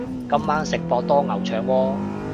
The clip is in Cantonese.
今晚食博多牛腸鍋